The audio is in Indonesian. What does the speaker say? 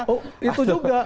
oh itu juga